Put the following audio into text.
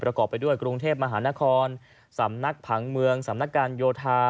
ไปด้วยกรุงเทพมหานครสำนักผังเมืองสำนักการโยธา